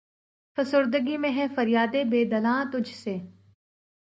فسردگی میں ہے فریادِ بے دلاں تجھ سے